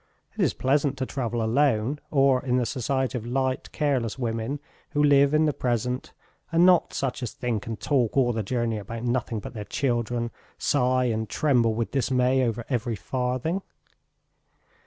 It is pleasant to travel alone, or in the society of light, careless women who live in the present, and not such as think and talk all the journey about nothing but their children, sigh, and tremble with dismay over every farthing.